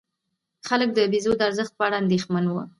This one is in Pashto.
خلک د پیزو د ارزښت په اړه اندېښمن وو.